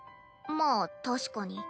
まあ確かに。